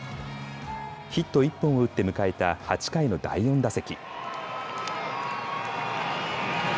ヒット１本を打って迎えた８回の第４打席。